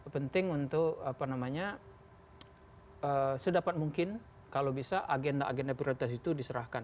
penting untuk apa namanya sedapat mungkin kalau bisa agenda agenda prioritas itu diserahkan